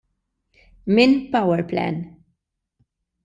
Minn PowerPlan.